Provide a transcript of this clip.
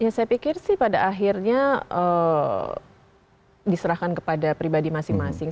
ya saya pikir sih pada akhirnya diserahkan kepada pribadi masing masing